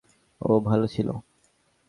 ও ভালো ছিলো।